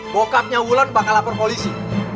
bokapnya wulan bakal lapor polisi